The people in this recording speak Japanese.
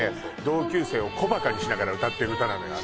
同級生を小バカにしながら歌ってる歌なのよ